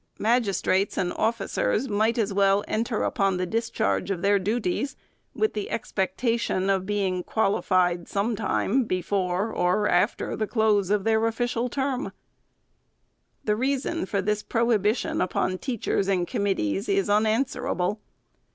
Magistrates and officers might as well enter upon the discharge of their duties, with the expectation of being qualified some time before or after the close of their official term. The reason for this prohibition upon teachers and committees is un answerable.